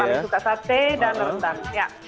paling suka sate dan rendang